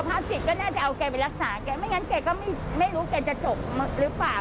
สิทธิ์ก็น่าจะเอาแกไปรักษาแกไม่งั้นแกก็ไม่รู้แกจะจบหรือเปล่า